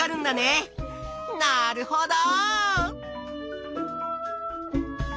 なるほど！